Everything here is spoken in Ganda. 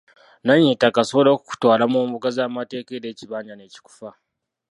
Nannyini ttaka asobola okukutwala mu mbuga z’amateeka era ekibanja ne kikufa!